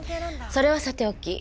それはさておき